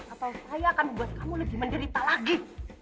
atau saya akan membuat kamu lebih menderita lagi